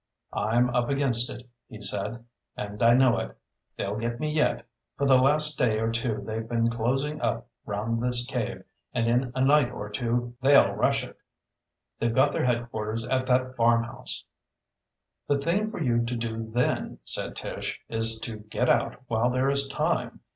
"I'm up against it," he said, "and I know it. They'll get me yet. For the last day or two they've been closing up round this cave, and in a night or two they'll rush it. They've got their headquarters at that farmhouse." "The thing for you to do then," said Tish, "is to get out while there is time.